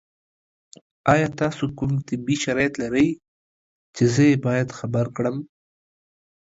ایا تاسو کوم نور طبي شرایط لرئ چې زه یې باید خبر کړم؟